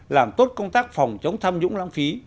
làm tốt công tác phòng chống tham nhũng lãng phí